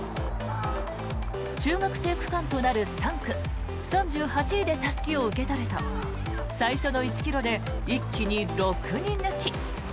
中学生区間となる３区３８位でたすきを受け取ると最初の１ｋｍで一気に６人抜き。